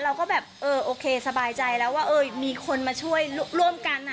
เราก็แบบเออโอเคสบายใจแล้วว่ามีคนมาช่วยร่วมกัน